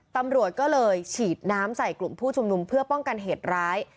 ตำรวจก็เลยฉีดน้ำใส่กลุ่มผู้ชุมนุมเพื่อป้องกันเหตุร้าย